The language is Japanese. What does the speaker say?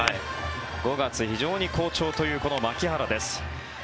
５月、非常に好調というこの牧原です。